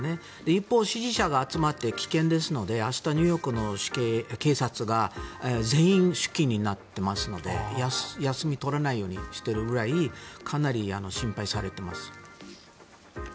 一方、支持者が集まって危険ですので明日、ニューヨークの警察が全員、出勤になっていますので休みを取らないようにしているぐらいかなり心配されています。